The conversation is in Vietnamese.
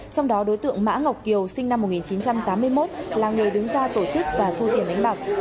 trong đó đối tượng mã ngọc kiều sinh năm một nghìn chín trăm tám mươi một là người đứng ra tổ chức và thu tiền đánh bạc